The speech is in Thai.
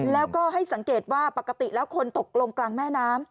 แล้วก็ให้สังเกตว่าปกติแล้วคนตกลงกลางแม่น้ำ